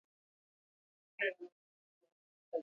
وجدان مو باید همېشه په ځان کښي وبلل سي.